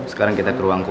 sekarang kita ke ruang gue